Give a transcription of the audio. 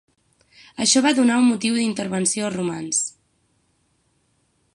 Això va donar un motiu d'intervenció als romans.